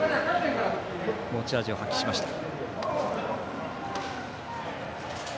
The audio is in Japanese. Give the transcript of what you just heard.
持ち味を発揮しました。